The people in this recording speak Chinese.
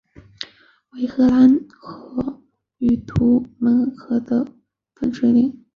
为海兰河与图们江的分水岭。